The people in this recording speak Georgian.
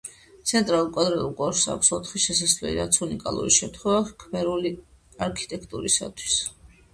ცენტრალურ კვადრატულ კოშკს აქვს ოთხი შესასვლელი, რაც უნიკალური შემთხვევაა ქმერული არქიტექტურისთვის.